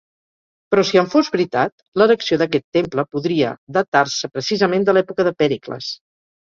Però si en fos veritat, l'erecció d'aquest temple podria datar-se precisament de l'època de Pèricles.